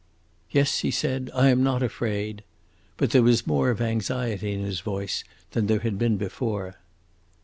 "Yes," he said. "I am not afraid." But there was more of anxiety in his voice than there had been before.